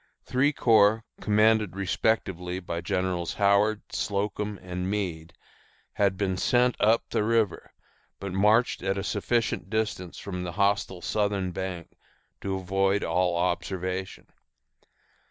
Three corps, commanded respectively by Generals Howard, Slocum, and Meade, had been sent up the river, but marched at a sufficient distance from the hostile southern bank to avoid all observation.